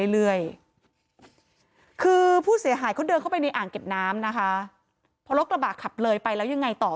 แล้วขับตามนี่ไง